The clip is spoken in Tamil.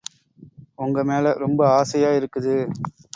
ஒங்கமேலே ரொம்ப ஆசையா இருக்குது.